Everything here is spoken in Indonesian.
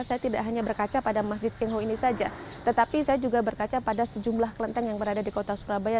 saya tidak hanya berkaca pada masjid cengho ini saja tetapi saya juga berkaca pada sejumlah kelenteng yang berada di kota surabaya